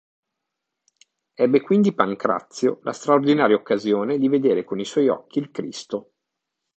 Ebbe quindi Pancrazio la straordinaria occasione di vedere con i suoi occhi il Cristo.